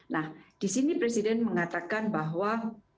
nah disini presiden mengatakan bahwa